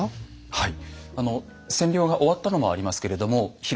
はい。